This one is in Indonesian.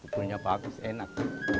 kulitnya bagus enak